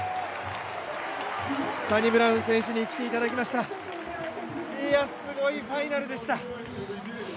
サニブラウン選手に来ていただきました、すごいファイナルでした。